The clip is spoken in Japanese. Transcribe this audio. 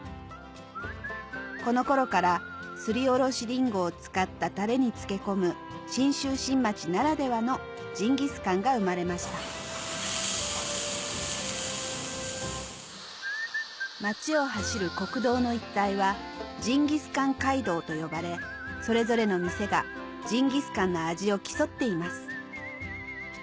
この頃からすりおろしリンゴを使ったタレに漬け込む信州新町ならではのジンギスカンが生まれました町を走る国道の一帯は「ジンギスカン街道」と呼ばれそれぞれの店がジンギスカンの味を競っています